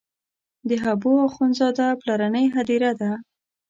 د حبو اخند زاده پلرنۍ هدیره ده.